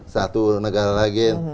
satu negara lagi